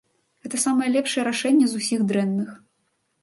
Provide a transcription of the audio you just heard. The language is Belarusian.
Гэтае самае лепшае рашэнне з усіх дрэнных.